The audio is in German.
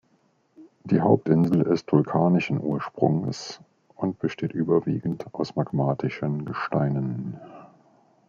Die Hauptinsel ist vulkanischen Ursprunges und besteht überwiegend aus magmatischen Gesteinen.